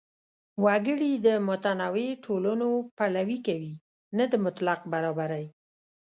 وګړي د متنوع ټولنو پلوي کوي، نه د مطلق برابرۍ.